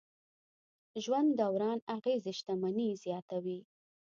ژوند دوران اغېزې شتمني زیاتوي.